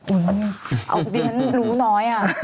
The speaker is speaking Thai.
อุ๊ยเอาเป็นรู้น้อย